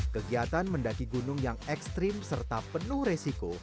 kegiatan mendaki gunung yang ekstrim serta penuh resiko